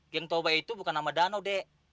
geng toba itu bukan nama danau dek